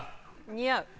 似合うよ！